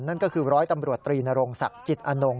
นั่นก็คือร้อยตำรวจตรีนรงศักดิ์จิตอนง